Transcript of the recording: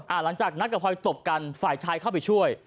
หลังจากนัดกับพลอยตบกันฝ่ายชายเข้าไปช่วย